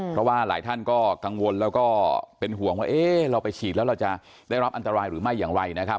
เพราะว่าหลายท่านก็กังวลแล้วก็เป็นห่วงว่าเราไปฉีดแล้วเราจะได้รับอันตรายหรือไม่อย่างไรนะครับ